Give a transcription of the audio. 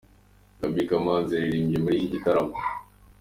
Gaby Kamanzi yaririmbye muri iki gitaramo.